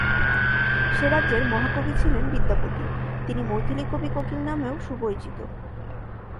সে রাজ্যের মহাকবি ছিলেন বিদ্যাপতি, তিনি মৈথিলী কবি কোকিল নামেও সুপরিচিত।